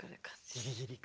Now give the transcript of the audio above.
ギリギリ感。